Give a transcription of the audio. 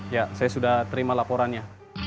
ya saya sudah terima laporannya